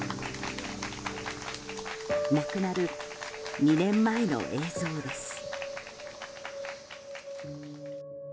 亡くなる２年前の映像です。